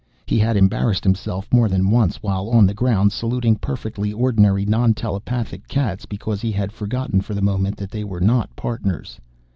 He had embarrassed himself more than once while on the ground saluting perfectly ordinary non telepathic cats because he had forgotten for the moment that they were not Partners.